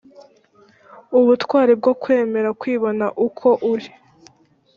ubutwari bwo kwemera kwibona uko uri